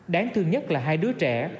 đáng thương nhất là hai đứa trẻ